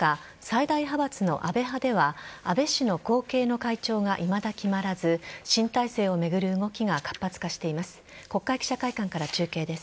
こうした中最大派閥の安倍派では安倍氏の後継の会長がいまだ決まらず新体制を巡る動きが活発化しています。